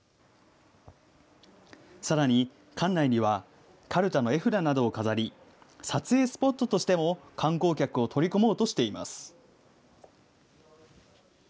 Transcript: さらに館内には、かるたの絵札などを飾り、撮影スポットとしても観光客を取り込もうとしています。